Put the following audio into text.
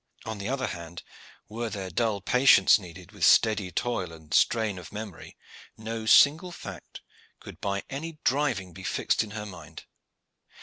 On the other hand, were there dull patience needed with steady toil and strain of memory, no single fact could by any driving be fixed in her mind.